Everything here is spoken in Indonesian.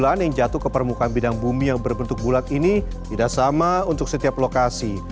jalan yang jatuh ke permukaan bidang bumi yang berbentuk bulat ini tidak sama untuk setiap lokasi